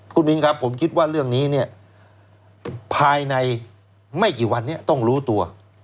คุณมินครับผมคิดว่าเรื่องนี้เนี่ยภายในไม่กี่วันนี้ต้องรู้ตัว